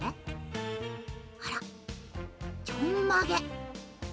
あらちょんまげ。